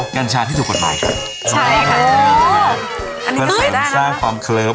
กันชาที่ถูกกฎหมายค่ะใช่ค่ะอ๋ออันนี้จะใส่ได้นะความเคลิม